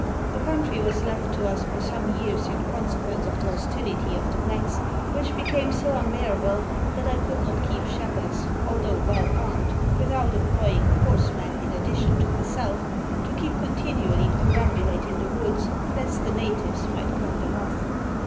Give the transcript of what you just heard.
The country was left to us for some years in consequence of the hostility of the blacks, which became so unbearable that I could not keep shepherds, although well armed, without employing a horseman, in addition to myself, to keep continually perambulating the woods lest the natives might cut them off.